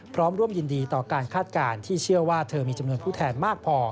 พร้อมร่วมยินดีต่อการคาดการณ์ที่เชื่อว่าเธอมีจำนวนผู้แทนมากพอ